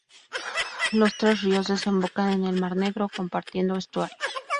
Los tres ríos desembocan en el Mar Negro, compartiendo estuario.